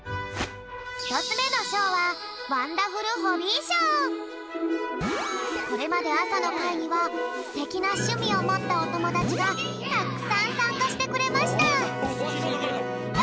ひとつめのしょうはこれまであさのかいにはステキなしゅみをもったおともだちがたくさんさんかしてくれました。